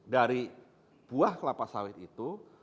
dari buah kelapa sawit itu